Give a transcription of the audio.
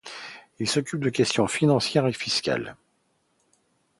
Il s'occupe de questions financières et fiscales.